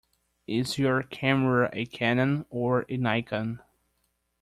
Is your camera a Canon or a Nikon?